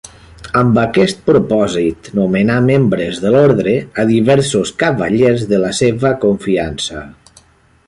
Amb aquest propòsit nomenà membres de l'orde a diversos cavallers de la seva confiança.